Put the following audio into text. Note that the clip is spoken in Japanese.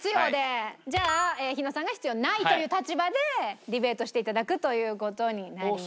じゃあ日野さんが「必要ない」という立場でディベートしていただくという事になります。